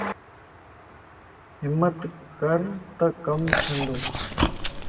ھمت ڪرتَ ڪم چھندو